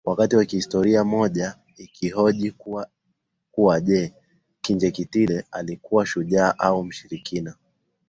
Wakati historia moja ikihoji kuwa je Kinjekitile alikuwa shujaa au mshirikina